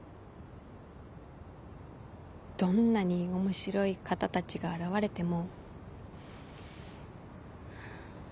どんなに面白い方たちが現れても。